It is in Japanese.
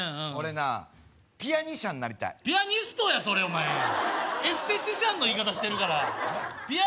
俺なピアニシャンになりたいピアニストやそれお前エステティシャンの言い方してるからえっ？